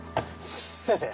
先生！